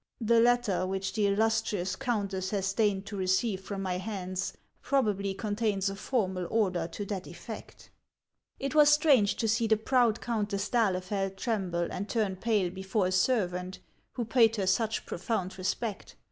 The letter which the illustrious countess has deigned to receive from my hands probably contains a formal order to that effect." It was strange to see the proud Countess d'Alilei'eld tremble and turn pale before a servant who paid her such profound respect.